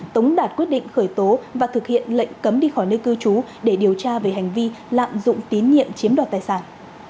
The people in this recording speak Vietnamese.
tống đạt quyết định khởi tố và thực hiện lệnh cấm đi khỏi nơi cư trú để điều tra về hành vi lạm dụng tín nhiệm chiếm đoạt tài sản